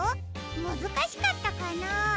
むずかしかったかな？